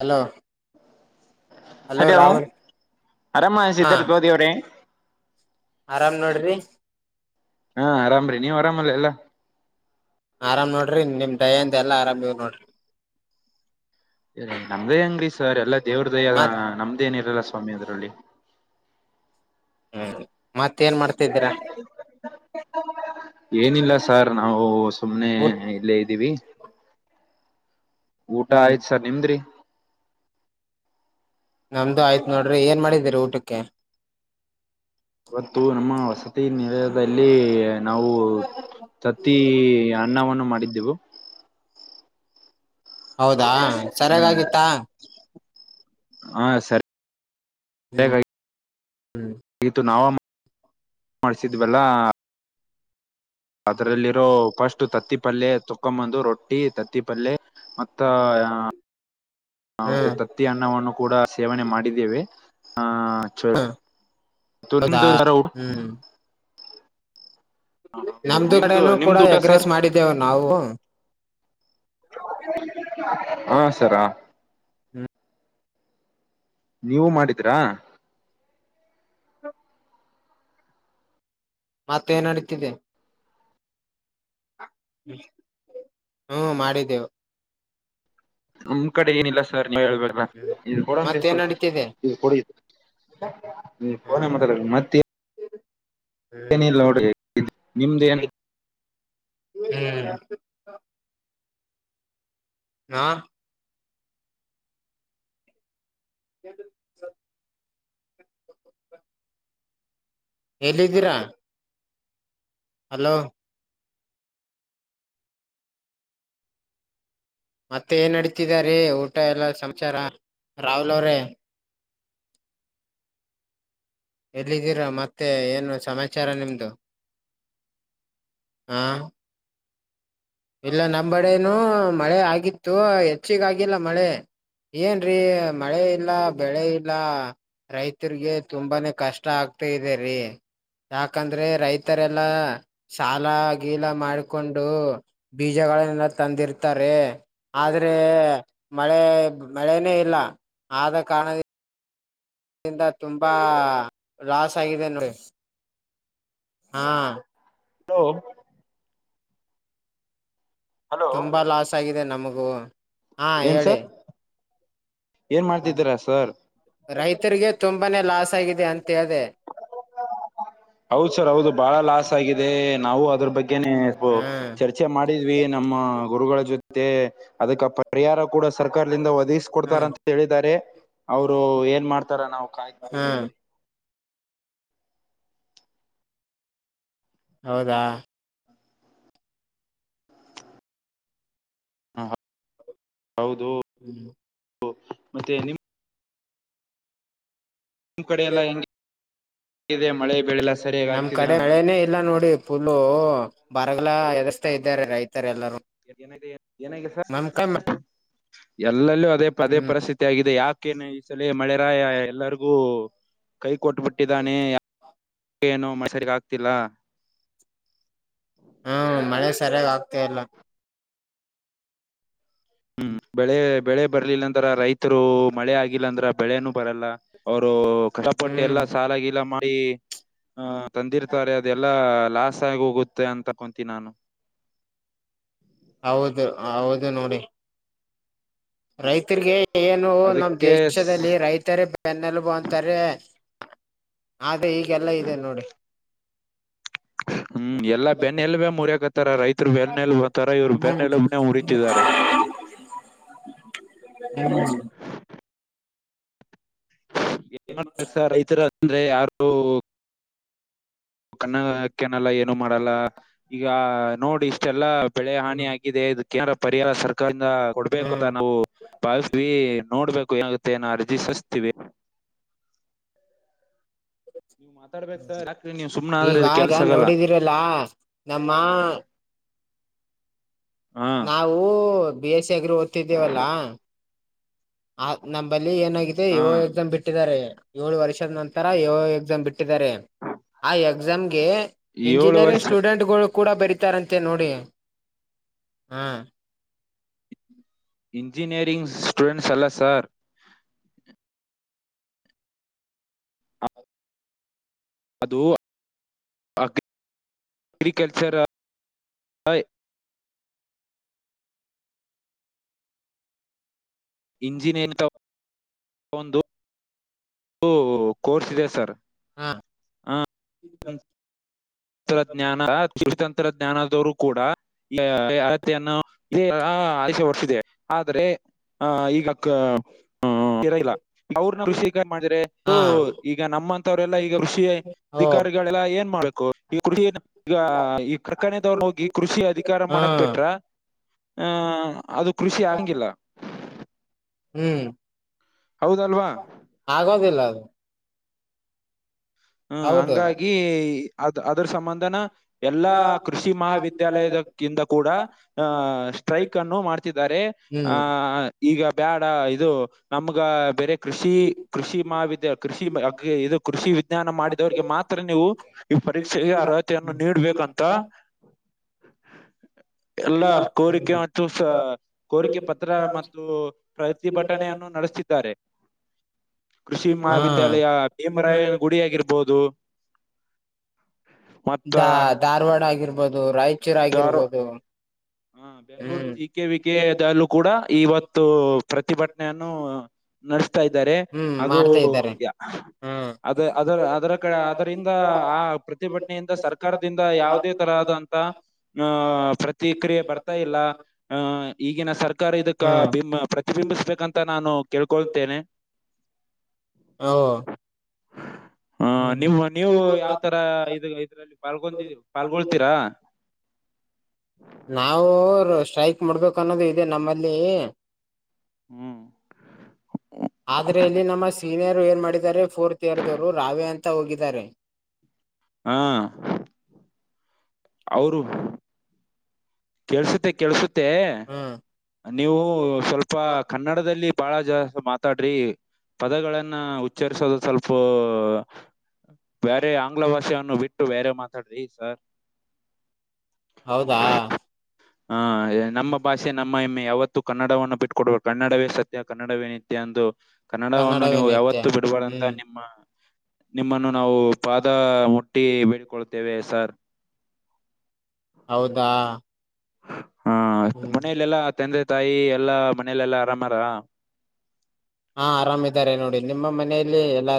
Hello hello ಆರಾಮ ಹಾ ಸಿದ್ಧಾತ್ ಗೋಧಿ ಅವರೇ ಆರಾಮ್ ನೋಡ್ ರೀ ಹಾ ಆರಾಮ್ ರೀ ನೀವ್ ಆರಾಮ್ ಅಲ್ಲ ಎಲ್ಲಾ. ಆರಾಮ್ ನೋಡ್ ರೀ ನಿಮ್ ದಯೆ ಇಂದ ಎಲ್ಲ ಆರಾಮ್ ಇವ್ ನೋಡ್ ರೀ. ಇ ನಮ್ದೇ ಅಂಗಡಿ ಸರ್ ಎಲ್ಲಾ ದೇವ್ರ ದಯೆ ಮತ್ ನಮ್ದ ಏನ ಇರಲ್ಲ ಸ್ವಾಮಿ ಅದ್ರಲ್ಲಿ ಹುಂ ಮತ್ತ ಏನ್ ಮಾಡ್ತದ್ದೀರಾ ಏನಿಲ್ಲ ಸಾರ್ ನಾವು ಸುಮ್ನೆ ಊಟ್ ಇಲ್ಲೇ ಇದ್ದೀವಿ ಊಟಾ ಆಯ್ತ್ ಸರ್ ನಿಮ್ದ್ ರೀ ನಮ್ದು ಆಯ್ತತ್ ನೋಡ್ರಿ ಏನ್ ಮಾಡಿದೀರಿ ಊಟಕ್ಕೆ ಇವತ್ತು ನಮ್ಮ ವಸತಿ ತಿ ನಿಲಯದಲ್ಲಿ ನಾವು ತತ್ತಿ ಅನ್ನವನ್ನು ಮಾಡಿದ್ದೆವು ಹೌದಾ ಹುಂ ಸರಿಯಾಗಾಗಿತ್ತಾ ಹಾ ಸರಿ ಹ್ಮ್ ಹ್ಮ್ ಇದು ನಾವು ಮಾ ಮಾಡ್ಸಿದ್ವಲ್ಲಾ ಅದರಲ್ಲಿರೋ ಫಸ್ಟ್ ತತ್ತಿ ಪಲ್ಯ ತಕೊಂದು ರೊಟ್ಟಿ ತತ್ತಿ ಪಲ್ಲೆ ಮತ್ತ ಹ ಮತ್ತೆ ಹ್ಮ್ ತತ್ತಿ ಅನ್ನವನ್ನು ಕೂಡ ಸೇವನೆ ಮಾಡಿದ್ದೇವೆ ಆಹ ಹ್ಮ್ ಹೌದಾ ಹ್ಮ್ [unintelligible] ನಮ್ದು ನಿಮ್ದು ಕಡೆನೂ ಕೂಡ ನಿಮ್ದು ಊಟಾ ಎಗ್ರೆಸ್ ಸರ್ ಮಾಡಿದ್ದೇವು ನಾವು ಹಾ ಸರ್ ಹಾ ನೀವು ಮಾಡಿದಿರಾ ಮತ್ತೆ ಏನ್ ನಡೀತಿದೆ ಹು ಮಾಡಿದ್ದೇವು ನಮ್ ಕಡೆ ಏನಿಲ್ಲ ಸರ್ ನೀವೇ ಹೇಳ್ಬೇಕು ಕೊಡ ಮತ್ತೇನ್ ಸ್ವಲ್ಪ ನಡೀತಿದೆ ಇದು ಕೋಡ ಇದು ಮತ್ ಪೋನ್ ಹ್ಮ್ ನಾಗ ಮಾತಾಡ ಮತ್ತೆ ಮತ್ ಹ್ಮ್ ಏನಿಲ್ಲ ನೋಡ್ರಿ ನಿಮ್ದ್ ಏನ್ ಹುಂ ಹಾ [unintelligible] ಎಲ್ಲಿದ್ದೀರಾ ಹಲೋ ಮತ್ತೆ ಏನ್ ನಡತಿದಾರೀ ಊಟ ಎಲ್ಲ ಸಂಸಾರ ರಾಹುಲ್ ಅವ್ರೆ ಎಲ್ಲಿದ್ದೀರಾ ಮತ್ತೆ ಏನು ಸಮಾಚಾರ ನಿಮ್ದು ಹಾ ಇಲ್ಲಾ ನಮ್ಮ್ ಬಡನು ಮಳೆ ಆಗಿತ್ತು ಹೆಚ್ಚಿಗ ಆಗಿಲ್ಲಾ ಮಳೆ ಏನ್ರೀ ಮಳೆ ಇಲ್ಲಾ ಬೆಳೆ ಇಲ್ಲಾ ರೈತರಿಗೆ ತುಂಬಾನೇ ಕಷ್ಟ ಆಗ್ತಾ ಇದೆರಿ ಯಾಕಂದ್ರೆ ರೈತರೆಲ್ಲಾ ಸಾಲ ಗೀಲಾ ಮಾಡ್ಕೊಂಡು ಬೀಜಗಳ ತಂದಿರ್ತಾರೆ ಆದ್ರೆ ಮಳೆ ಮಳೆನೇ ಇಲ್ಲ ಆದ ಕಾರಣದ ತುಂಬಾ ಲಾಸ್ ಆಗಿದೆ ನೋಡಿ ಹಾ ಹಲೋ ಹಲೋ, ತುಂಬಾ ಲಾಸ್ ಆಗಿದೆ ನಮಗೂ ಹಾ ಏನ್ ಹೇಳಿ ಸರ್ ಏನ್ ಮಾಡ್ತಿದ್ದೀರಾ ಸರ್ ರೈತರಿಗೆ ತುಂಬಾನೇ ಲಾಸ್ ಆಗಿದೆ ಅಂತ ಹೇಳ್ದೆ ಹೌದ ಸರ್ ಹೌದು ಬಾಳ ಲಾಸ್ ಆಗಿದೆ ನಾವು ಅದ್ರ ಬಗ್ಗೆ [unintelligible] ಹ್ಮ್ ಚರ್ಚೆ ಮಾಡಿದ್ವಿ ನಮ್ಮ ಗುರುಗಳ ಜೊತೆ ಅದಕ್ಕೆ ಪರಿಹಾರ ಕೂಡ ಸರ್ಕಾರದಿಂದ ಒದಗಿಸಿಕೊಡ್ತಾರ ಹ್ಮ್ ಅಂತ ಹೇಳಿದ್ದಾರೆ ಅವರು ಏನ್ ಮಾಡ್ತಾರ ನಾವು ಕಾ ಹ ಹೌದಾ.... ಹ ಹೌದು. ಹ್ಮ ಓಕೆ ಮತ್ತೆ ನಿಮ್ಮ. ನಿಮ್ಮ್ ಕಡೆ ಎಲ್ಲ ಹೆಂಗ [inaudible] ಇದೆ ಮಳೆ ಬೆಳೆ ಎಲ್ಲಾ. [inaudible] ನಮ್ ಕಡೆ ರಳೆನೇ ಇಲ್ಲ ನೋಡಿ. ಒಹ್ ಒಹ್ ಪರಗಲ ಎದರಸ್ತಾ ಇದ್ದಾರೆ ರೈತರೆಲ್ಲರೂ. [unintelligible] ಏನಾಗಿದೆ ಸರ್ ನಮ್ ಕ ಎಲ್ಲಲ್ಲೂ ಅದೇ ಪದೇ ಹ್ಮ್ ಪರಿಸ್ಥಿ ಇದ ಯಾಕೇನ ಈ ಸಲ ಮಳೆರಾಯ ಎಲ್ಲರಿಗೂ ಕೈ ಕೊಟ್ಟ ಬಿಟ್ಟಿದಾನೆ. ಏನು ಮಸರಿಗೆ ಆಗ್ತಿಲ್ಲಾ. ಹ್ಮ ಮಳೆ ಸರಿಯಾಗ ಆಗ್ತಾ ಇಲ್ಲ. ಹ್ಮ್ ಬೆಳೆ ಬೆಳೆ ಬರ್ಲಿಲ್ಲ ಅಂದ್ರ ರೈತರು ಮಳೆ ಆಗಿಲ್ಲ ಅಂದ್ರ ಬೆಳೆನನು ಬರಲ್ಲ ಅವರು ಕಷ್ಟಪಟ್ಟ ಎಲ್ಲಾ ಹ್ಮ್ ಸಾಲಾಗಿಲಾ ಮಾಡಿ ಹ ತಂದಿರ್ತಾರೆ ಅದೆಲ್ಲಾ ಲಾಸ್ ಆಗಿ ಹೋಗುತ್ತೆ ಅಂತ ತಕೊಂತೀನಿ ನಾನು. ಹೌದ ಹೌದ ನೋಡಿ. ರೈತರಿಗೆ ಏನು ನಮ್ಮ ಅದಕ್ಕೆ ದೇಶದಲ್ಲಿ ರೈತರೇ ಪೆನ್ನ ಎಲಬು ಅಂತಾರೆ.... ಆದ ಈಗೆಲ್ಲಾ ಇದೆ ನೋಡಿ. [inaudible] ಹ್ಮ್ ಎಲ್ಲ ಬೆನ್ನೆಯಲ್ಲಾಬೇ ಮುರಿಯಕತ್ತಾರ ರೈತರು ಬೆನ್ನೆಲ್ ತರ ಇವ್ರು ಬೆನ್ನೆಲ್ಲಬ ಉರಿತಿದಾರೆ [unintelligible] [unintelligible] ರೈತರು ಅಂದ್ರೆ ಯಾರು. ಕಣ್ಣಾಗ ಹಾಕೇನಲ್ಲ ಯ [unintelligible] ಮಾಡಲ್ಲ ಈಗ ನೋಡಿ ಇಷ್ಟೆಲ್ಲಾ ಬೆಳೆ ಹಾನಿ ಆಗಿದೆ ಇದ ಕೇಂದ್ರ ಪರಿಹಾರ ಸರ್ಕಾರಿಂದ ಕೊಡ್ಬೇಕು ಹ್ಮ್ ತಾಭು. ಬಸ್ತವಿ ನೋಡ್ಬೇಕು ಏನ್ ಆಗತ್ತ ಏನ್ ಅರ್ಜಿ ಸಸ್ತೀವಿ ಪ ಮಾತಾಡಬೇಕ ಹತ್ತರಿ ನೀವು ಸುಮ್ನ ಆದ್ರಇದ ಕೆಲ್ಸ ಆಗಲ್ಲ. ಇಲ್ಲಾ [inaudible] ನಮ್ಮ... ಹ್ಮ ನಾವು ಬಿ ಎಸ್ ಸಿ ಅಗ್ರಿ ಓದ್ತಿದ್ದೇವಲ್ಲಾ. ಆ ನಂಬಲ್ಲಿ ಏನಾಗಿದೆ ಹ ಇವೋ ಎಕ್ಸಾಮ್ ಬಿಟ್ಟಿದ್ದಾರೆ. ಏಳು ವರ್ಷದ ನಂತರ ಯೋಯ ಬಿಟ್ಟಿದ್ದಾರೆ. [inaudible] ಆ ಎಕ್ಸಾಮ್ಗೆ ಏಳು ಇಂಜಿನಿಯರಿಂಗ್ ವರ್ಷ ಸ್ಟೂಡೆಂಟ್ ಗಳು ಕೂಡ ಬರಿ. ಬರಿತಾರಂತೆ ನೋಡಿ [inaudible] ಹ್ಮ ಇಂಜಿನಿಯರಿಂಗ್ ಸ್ಟೂಡೆಂಟ್ಸ ಅಲ್ಲ ಸಾರ್. ಅದು [inaudible] ಅಗಿ [inaudible] ಅಗ್ರಿಕಲ್ಚರ್ [inaudible] ಯ ಇಂಜಿನನಿಂತವ ಒಂದು. ಓ ಕೋರ್ಸ್ ಇದೆ ಸರ್. ಹಾ ಹ [inaudible] ಇದಕ್ಕ ತಂತ್ರಜ್ಞಾನ ಕುತಂತ್ರಜ್ಞಾನದವರು ಕೂಡಾ. [unintelligible] ಅಳತೆಯನ್ನ ಇದೇ ಆಷ ಹೊಡಸಿದೆ ಆದ್ರೆ. ಹ ಈಗಕ್ಕ [inaudible] ಹು ಕಿರಕ್ಕ. ಇಲ್ಲಾ ಅವ್ರನ್ನ ಋಷಿ ಕಾಯ ಮಾಡಿದ್ರೆ ಹಾ ಈಗ ನಮ್ಮಂತವ್ರೆಲ್ಲಾ ಈಗ ಋಷಿ ಓ ಅಧಿಕಾರಿಗಳೆಲ್ಲ ಏನ್ ಮಾಡಬೇಕು ಈ ಕೃಷಿ ಈಗ ಈ ಕಾರ್ಖಾನೆದವ್ರ ಹೋಗಿ ಕೃಷಿ ಅಧಿಕಾರ ಮಾಡಕ್ ಹ್ಮ್ ಬಿಟ್ರ ಹಾ ಅದು ಕೃಷಿ ಆಗಂಗಿಲ್ಲ. ಹ್ಮ್ ಹೌದಲ್ವಾ ಆಗೋದಿಲ್ಲ ಅದು. ಹ್ಮ ಹೌದು ಹಂಗಾಗಿ ಅದ್ ಅದ್ರ ಸಂಬಂಧನ ಎಲ್ಲಾ ಕೃಷಿ ಮಹಾವಿದ್ಯಾಲಯದ ಕಿಂದ ಕೂಡ ಹಾ ಸ್ಟ್ರೈಕ್ ಅನ್ನು ಮಾಡ್ತಿದ್ದಾರೆ ಹಾ ಹ್ಮ್ ಈಗ ಬ್ಯಾಡ ಇದು ನಮ್ಗ ಬೇರೆ ಕೃಷಿ ಕೃಷಿ ಮಹಾವಿದ್ಯ ಕೃಷಿ ಇದು ಕೃಷಿ ಮಾಡಿದವರಿಗೆ ಮಾತ್ರ ನೀವು ಈ ಪರೀಕ್ಷೆಗೆ ಅರ್ಹತೆಯನ್ನು ನೀಡಡ್ಬೇಕಂತ ಎಲ್ಲ ಕೋರಿಕೆ ಮತ್ತು ಸ ಕೋರಿಕೆ ಪತ್ರ ಮತ್ತು ಪ್ರತಿಭಟನೆಯನ್ನು ನಡೆಸುತ್ತಿದ್ದಾರೆ ಕೃಷಿ ಹಾ ಮಹಾವಿದ್ಯಾಲಯ ಹೇಮರಾಯನ ಗುಡಿ ಆಗಿರ್ಬೋದು. ಮತ್ತ ದಾ ಧಾರವಾಡ ಆಗಿರ್ಬೋದು ರಾಯಚೂರ್ ಧಾರ ಆಗಿರ್ಬೋದು ಹ ಬೆಂಗಳೂರು ಹ್ಮ್ ಜ ಕೆ ವಿ ಕೆ ದಲ್ಲೂ ಕೂಡ ಇವತ್ತು ಪ್ರತಿಭಟನೆಯನ್ನು ನಡ್ಸ್ತಾ ಇದ್ದಾರೆ ಹ್ಮ್ ಅದು ಮಾಡ್ತಾ ಇದ್ದಾರೆ ಹ್ಮ್ ಅದ ಅದರ ಅದರ ಕಡೆ ಅದರಿಂದ ಆ ಪ್ರತಿಭಟನೆಯಿಂದ ಸರ್ಕಾರದಿಂದ ಯಾವುದೇ ತರಹದಂತ ಅ ಪ್ರತಿ ಬೆ ಬರ್ತಾ ಇಲ್ಲ ಈಗಿನ ಸರ್ಕಾರ ಇದಕ್ಕಾ ಹ್ಮ್ ಪ್ರತಿಬಿಂಬಿಸ್ಬೇಕಂತ ನಾನು ಕೇಳ್ಕೊಳ್ತೇನೆ. ಹಾಂ ಹಾ ನೀವು ನೀವು ಯಾವತರ ಇದ್ರಲ್ಲಿ ಪಾಲ್ಗೊಂಡಿದ್ದೀರಾ ಪಾಲ್ಗೊಳ್ತೀರಾ. ನಾವು ಸ್ಟ್ರೈಕ್ ಮಾಡ್ಬೇಕ ಅನ್ನೋದು ಇದೆ ನಮ್ಮಲ್ಲಿ ಹ್ಮ್ ಆದ್ರೆ ಇಲ್ಲಿ ನಮ್ಮ ಸಿ ಸೀನಿಯರ್ ಏನ್ ಮಾಡಿದ್ದಾರೆ ಫೋರ್ತ್ ಇಯರ್ ದವರು ರಾವೆ ಅಂತ ಹೋಗಿದರೆ. ಹಾ ಅವರು ಕೆಳ್ಸುತ್ತೆ ಕೆಳ್ಸುತ್ತೆ. ಹ್ಮ್ ನೀವು ಸ್ವಲ್ಪ ಕನ್ನಡದಲ್ಲಿ ಬಾಳ ಜಾಸ್ತಿ ಮಾತಾಡ್ರಿ ಪದಗಳನ್ನ ಉಚ್ಚರಿಸೋದು ಸ್ವಲ್ಪ ಬೇರೆ ಆಂಗ್ಲ ಭಾಷೆಯನ್ನು ಬಿಟ್ಟು ಬೇರೆ ಮಾತಾಡ್ರಿ ಸರ್. ಹೌದಾ. ಹಾ ನಮ್ಮ ಭಾಷೆ ನಮ್ಮ ಹೆಮ್ಮೆ ಯಾವತ್ತು ಕನ್ನಡವನ್ನು ಬಿಟ್ಟಕೊಡಲ್ಲ ಕನ್ನಡವೇ ಸತ್ಯ ಕನ್ನಡವೇ ನಿತ್ಯ ಅಂದು ಕನ್ನಡವನ್ನು ಕನ್ನಡವೇ ನೀವು ನಿತ್ಯ ಯಾವತ್ತು ಬಿಡಬಾರದಂತ ಹ್ಮ್ ನಿಮ್ಮ ನಿಮ್ಮನ್ನು ನಾವು ಪಾದ ಮು ಟ್ಟಿ ಬಳ್ಕೊಳ್ತೇವೆ ಸರ್. ಹೌದಾ. ಹಾ ಹ್ಮ್ ಮನಲೆಲ್ಲಾ ತಂದೆ ತಾಯಿ ಎಲ್ಲಾ ಮನಲೆಲ್ಲಾ ಆರಾಮಾ ಹರಾ. ಹಾ ಆರಮಿದ್ದಾರೆ ನೋಡಿ ನಿಮ್ಮ ಮನೆಯಲ್ಲಿ ಎಲ್ಲಾ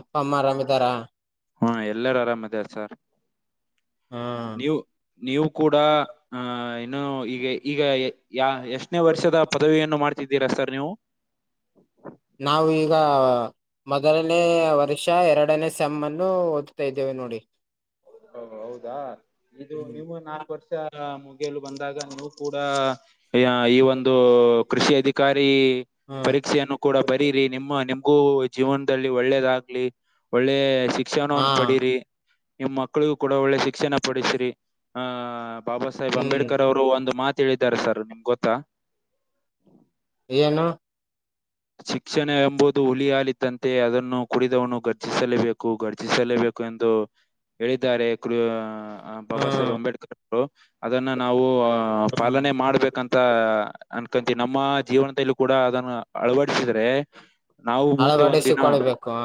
ಅಪ್ಪ ಅಮ್ಮ ಅರಾಮಿದಾರ. ಹಾ ಎಲ್ಲಾರು ಆರಾಮದಾರ ಸರ್ ಹ್ಮ್ ನೀವು. ನೀವು ಕೂಡ ಆಹ ಇನ್ನು ಈಗೆ ಈಗ ಯಾ ಎಷ್ಟನೇ ವರ್ಷದ ಪದವಿಯನ್ನು ಮಾಡ್ತಿದ್ದೀರಾ ಸರ್ ನೀವು. ನಾವು ಈಗ ಮೊದಲನೇ ವರ್ಷ ಎರಡನೇ ಸೆಮ್ ಅನ್ನು ಓದ್ತಾ ಇದ್ದೇವೆ ನೋಡಿ. ಹ ಹೌದಾ ಇದು ನೀವು ನಾಲ್ಕು ವರ್ಷ ಮುಗಿಯಲು ಬಂದಾಗ ನಿಮ್. ಕೂಡ ಈ ಒಂದು ಕೃಷಿ ಅಧಿಕಾರಿ. ಹ್ಮ್ ಪರೀಕ್ಷೆಯನ್ನು ಕೂಡ ಬರೀರಿ ನಿಮ್ಮ ನಿಮ್ಗೂ ಜೀವನದಲ್ಲಿ ಒಳ್ಳೇದಾಗ್ಲಿ. ಒಳ್ಳೆ ಹಾ ಶಿಕ್ಷಣವನ್ನು ಪಡೀರಿ ನಿಮ್ಮ್ ಮಕ್ಕಳಿಗೂ ಕೂಡ ಒಳ್ಳೆ ಶಿಕ್ಷಣ ಪಡಿಸಿರಿ ಆಹ್ ಬಾಬಾ ಸಾಹೇಬ್ ಹ್ಮ್ ಅಂಬೇಡ್ಕರ್ ಅವರು ಒಂದು ಮಾತ. ತಿಳಿದ್ದರ ಇರ್ತಾರ ಗೊತ್ತಾ. ಏನು. ಶಿಕ್ಷಣ ಎಂಬುದು ಹುಲಿ ಹಾಲುದ್ದಂತೆ ಅದನ್ನು ಕುಡಿದವನು ಗರ್ಜಿಸಲೇಬೇಕು ಗರ್ಜಿಸಲೇಬೇಕು. ಎಂದು ಹೇಳಿದ್ದಾರೆ [unintelligible] ಬಾಬಾ ಸಾಹೇಬ್ ಹ್ಮ್ ಅಂಬೇಡ್ಕರ್ ಅವರು ಅದನ್ನ ನಾವು ಹ್ಮ್ ಪಾಲನೆ ಮಾಡ್ಬೇಕು. ಅಂತ ಅನ್ಕಂತ ನಮ್ಮ ಜೀವನದಲ್ಲೂ ಕೂಡ ಅದನ್ನು ಅಳವಡಿಸಿದ್ರೆ. ನಾವು ಮುಂದೆ ಒಂದಿನ. ಅಳವಡಿಸಿಕೊಳ್ಬೇಕು ಹ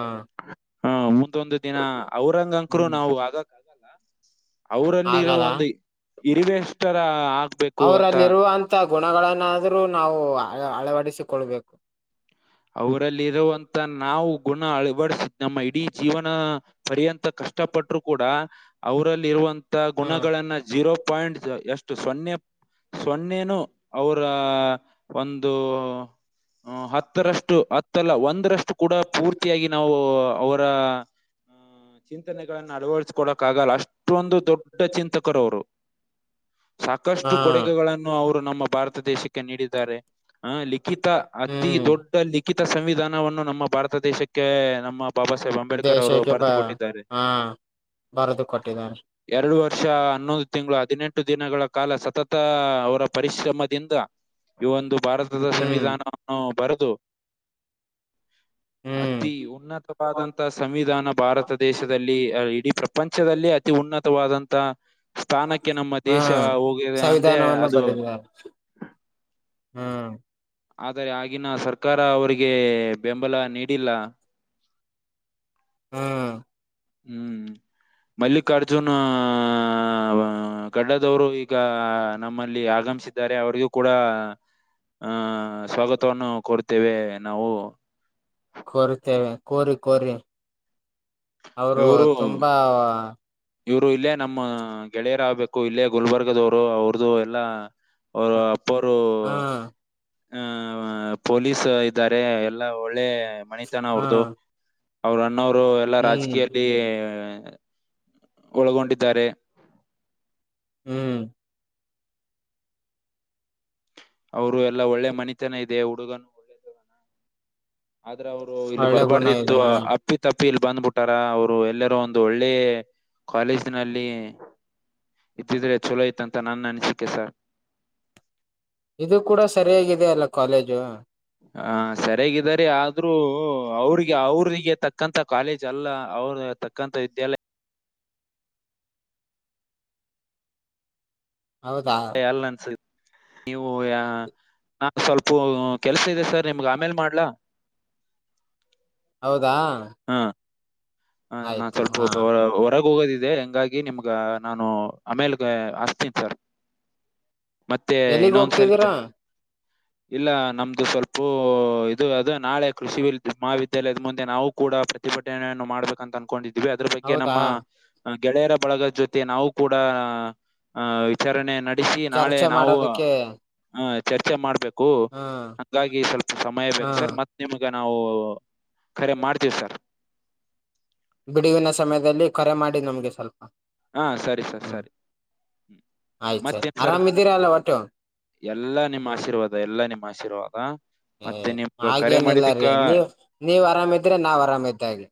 ಹಾ ಮುಂದೊಂದು ದಿನ ಔರಂಗಂಕರು ಹ್ಮ್ ನಾವು ಆಗಕ್. ಅವರಲ್ಲಿರೋ ಆಗಲ್ಲ ಒಂದು ಇರುವೆಷ್ಟ ತರ ಆಗ್ಬೇಕು ಅಂತ. ಇಂತ ಗುಣಗಳನ್ನಾದ್ರೂ ನಾವು ಅಳವಡಿಸಿಕೊಳ್ಬೇಕು. ಅವರಲ್ಲಿ ಇರುವಂತ ನಾವು ಗುಣ ಅಳವಡಸಿದ್ ನಮ್ಮ ಇಡೀ ಜೀವನ. ಪರ್ಯಂತ ಕಷ್ಟ ಪಟ್ಟರು ಕೂಡ ಅವರಲ್ಲಿ ಇರುವಂತ ಹ್ಮ್ ಗುಣಗಳನ್ನ ಜೀರೋ. ಪಾಯಿಂಟ್ಸ್ ಎಷ್ಟು ಸೊನ್ನೆ. ಸೊನ್ನೆನು ಅವರ ಒಂದು ಆ ಹತ್ತರಷ್ಟು ಹತ್ತಲ್ಲ ಒಂದರಷ್ಟು ಕೂಡ ಪೂರ್ತಿಯಾಗಿ ನಾವು ಅವರ. ಚಿಂತನೆಗಳನ್ನ ಅಳವಡಿಸಕೊಡಕ್ ಆಗಲ್ಲ ಅಷ್ಟೊಂದು ದೊಡ್ಡ ಚಿಂತಕರುವರ. ಸಾಕಷ್ಟು ಹಾ ಕೊಡುಗೆಗಳನ್ನು ಅವರು ನಮ್ಮ ಭಾರತ ದೇಶಕ್ಕೆ ನೀಡಿದ್ದಾರೆ ಹ ನೀಡಿ ಲಿಖಿತ ಅತೀ ಹ್ಮ್ ದೊಡ್ಡ ಲಿಖಿತ ಸಂವಿಧಾನವನ್ನು ನಮ್ಮ ಭಾರತ ದೇಶಕ್ಕೆ ನಮ್ಮ. ಬಾಬಾ ಸಾಹೇಬ್ ಅಂಬೇಡ್ಕರ್ ಅವರು ದೇಶಕ್ಕೆ ಬ ಬರೆದು ಕೊಟ್ಟಿದ್ದಾರೆ. ಹಾ ಬರೆದು ಕೊಟ್ಟಿದ್ದಾರೆ ಎರಡು ವರ್ಷ ಹನ್ನೊಂದು ತಿಂಗಳು ಹದಿನೆಂಟು ದಿನಗಳ ಕಾಲ ಸತತ ಅವರ ಪರಿಶ್ರಮದಿಂದ. ಈ ಒಂದು ಭಾರತದ ಹ್ಮ್ ಸಂವಿಧಾನವನ್ನು ಬರೆದು. ಹ್ಮ್ ಅತಿ ಉನ್ನತವಾದಂಥ ಸಂವಿಧಾನ ಭಾರತ ದೇಶದಲ್ಲಿ ಇಡೀ. ಪಂಚದಲ್ಲಿ ಅತಿ ಉನ್ನತವಾದಂತಹ. ಹ್ಮ್ ಹೋಗಿದೆ ಅಂದ್ರೆ ಸಂವಿಧಾನವನ್ನು ಅದು ಬರಿದರ ಹಂ. ಆದರೆ ಆಗಿನ ಸರ್ಕಾರ ಅವ್ರಿಗೆ ಬೆಂಬಲ ನೀಡಿಲ್ಲ. ಹ್ಮ. ಹ್ಮ್ ಮಲ್ಲಿಕಾರ್ಜುನ. ಆ ಗಡ್ಡದವರು ಈಗ ನಮ್ಮಲ್ಲಿ ಆಗಮಿಸಿದ್ದಾರೆ ಅವರಿಗೂ ಕೂಡ. ಹಾ ಸ್ವಾಗತವನ್ನು ಕೊಡ್ತೇವೆ ನಾವು. ಕೋರಿತೇವೆ ಕೋರಿ ಕೋರಿ ಅವರು ತುಂಬಾ. ಇವ್ರು ಇಲ್ಲೇ ನಮ್ಮ ಗೆಳೆಯರ ಆಗ್ಬೇಕು ಇಲ್ಲೇ ಗುಲ್ಬರ್ಗದವ್ರು ಅವ್ರದುು ಎಲ್ಲಾ. ಹ್ಮ್ [inaudible] ಅಪ್ಪರು ಆ ಪೊಲೀಸ್ ಇದ್ದಾರೆ ಎಲ್ಲಾ ಒಳ್ಳೆಯ. ಮನಿತನ ಅವ್ರದು ಹ್ಮ್ ಅವರು ಅಣ್ಣವ್ರು ಎಲ್ಲಾ ಹ್ಮ್ ರಾಜಕೀಯಲ್ಲಿ. ಒಳಗೊಂಡಿದ್ದಾರೆ. ಹ್ಮ್. ಅವರು ಎಲ್ಲಾ ಒಳ್ಳೆ ಮನಿತನ ಇದೆ ಹುಡುಗನ. ಆದ್ರೆ ಅವರು ಇಲ್ಲಿ ಒಳ್ಳೆ ಗುಣ ಬರಬಾರ್ದಿತ್ತು. ಇದೆ ಹ ಅಪ್ಪಿ ತಪ್ಪಿಲ್ಲಿ ಬಂದ್ಬಿಟ್ಟಾರ ಅವರು ಎಲ್ಲರೂ ಒಂದು ಒಳ್ಳೆ ಕಾಲೇಜನಲ್ಲಿ. ಇದ್ದಿದ್ರೆ ಚಲೋ ಇತ್ತ ಅಂತ ನನ್ನ ಅನಿಸಿಕೆ ಸರ್. ಇದು ಕೂಡ ಸರಿಯಾಗಿದೆ ಅಲ್ಲ ಕಾಲೇಜು. ಹಾ ಸರಿಯಾಗಿದರೆ ಆದ್ರೂ ಅವ್ರಿಗೆ ಅವ್ರಿಗೆ ತಕ್ಕ. ತಕ್ಕಂತ ಕಾಲೇಜ್ ಅಲ್ಲ ಅವ್ರ ತಕ್ಕಂತ ವಿದ್ಯಾಲಯ. ಹೌದಾ. [unintelligible] ನೀವು ನಾ ಸ್ವಲ್ಪ ಕೆಲ್ಸ ಇದೆ ಸರ್ ನಿಮ್ಗೆ ಆಮೇಲ್ ಮಾಡ್ಲಾ.. ಹೌದಾ. ಹಾ ಹ ನಾನ್ ಆಯ್ತು ಹಾ ಸ್ವಲ್ಪಬ್ಬ ಹೊರಗೆ ಹೋಗೋದಿದೆೆ ಹಂಗಾಗಿ. ನಿಮ್ಗ ನಾನು ಆಮೇಲ್ಗ ಹಸ್ತೀನಿ ಸರ್. ಮತ್ತೆ ಎಲ್ಲಿಗ್ ಇನ್ನೊಂದ ಸ್ವಲ್ಪೆ. ಹೋಗ್ತಿದ್ದೀರಾ [inaudible] ಇಲ್ಲ ನಮ್ದು ಸ್ವಲ್ಪ ಇದು ಅದು ನಾಳೆ ಕೃಷಿ ಮಹಾವಿದ್ಯಾಲಯದ ಮುಂದೆ ನಾವು ಕೂಡ. ಪ್ರತಿಭಟನನ್ನು ಮಾಡು. ಅಂತ ಅನ್ಕೊಂಡಿದೀವಿ ಅದ್ರ ಬಗ್ಗೆ ಹೌದಾ ನಮ್ಮ ಗೆಳೆಯರ ಬಳಗದ ಜೊತೆ ನಾವು ಕೂಡ. ಆಹ ವಿಚಾರಣೆ ನಡೆಸಿ ನಾಳೆ ಚರ್ಚೆ ನಾವು ಮಾಡೋದಕ್ಕೆ ಆಹ್ ಚರ್ಚೆ ಮಾಡ್ಬೇಕು. ಹ್ಮ್ ಹಂಗಾಗಿ ಸ್ವಲ್ಪ ಸಮಯ ಬೇಕು ಹ್ಮ್ ಸರ್ ಮತ್ತ. ನಿಮ್ಗ ನಾವು ಕರೆ ಮಾಡ್ತೀವಿ ಸರ್. ಬಿಡುವಿನ ಸಮಯದಲ್ಲಿ ಖರೆ ಮಾಡಿ ನಮ್ಗೆ ಸ್ವಲ್ಪ. ಹಾ ಸರಿ ಸರ್ ಹ್ಮ್ ಸರಿ. ಹ್ಮ ಆಯ್ತು ಸರಿ ಮತ್ತೇನ್ ಸರ್ ಆರಾಮಿದ್ದೀರಾ ಅಲ್ಲ ಒಟ್ಟು ಎಲ್ಲಾ ನಿಮ್ಮ ಹ್ಮ ಆಶೀರ್ವಾದ. ಅ ಎಲ್ಲಾ ನಿಮ್ಮ ಆಶೀರ್ವಾದ. ಹಏ ಮತ್ತೆ ನಿಮ್ಗ ಕರೆ ಹಾಗೇನಿಲ್ಲ ರೀ ಮಾಡಿದ್ದಕ್ಕ ನೀವ ನೀವ್ ಆರಾಮಿದ್ರೆ ನಾವ್ ಆರಾಮ್ ಇದ್ದ್ ಹಾಗೆ.